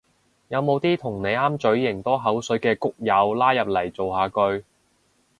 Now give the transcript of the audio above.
有冇啲同你啱嘴型多口水嘅谷友拉入嚟造下句